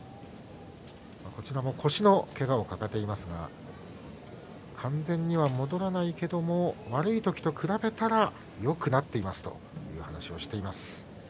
こちらも腰のけがを抱えていますが完全には戻らないけれど悪い時と比べたらよくはなっていますという話をしています。